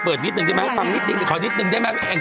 เปิดนิดนึงได้ไหมฟังนิดนึง